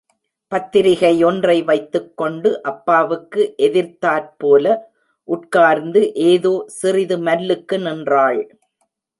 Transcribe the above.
பத்திரிகை ஒன்றை வைத்துக்கொண்டு அப்பாவுக்கு எதிர்த்தாற்போல உட்கார்ந்து ஏதோ சிறிது மல்லுக்கு நின்றாள்.